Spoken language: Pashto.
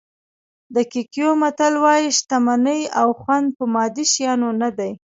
د کیکویو متل وایي شتمني او خوند په مادي شیانو نه دي.